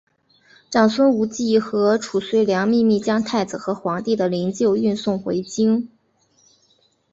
长孙无忌和褚遂良秘密将太子和皇帝的灵柩运送回京。